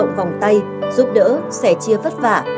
những bóng tay giúp đỡ sẻ chia vất vả